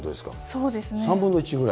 そうですね。